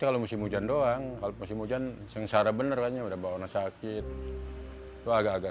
kalau musim hujan doang kalau musim hujan sengsara benerannya udah bawa sakit itu agak agak